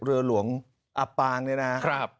เรือหลวงอับปางเนี่ยนะครับ